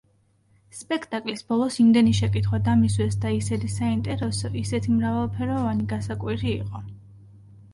სპექტაკლის ბოლოს იმდენი შეკითხვა დამისვეს და ისეთი საინტერესო, ისეთი მრავალფეროვანი, გასაკვირი იყო.